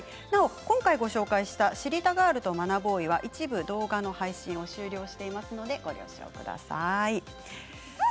なお今回ご紹介した「知りたガールと学ボーイ」は一部動画の配信を終了していますのでご了承ください。